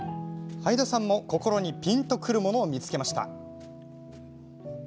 はいださんも心にピンとくるものを見つけました。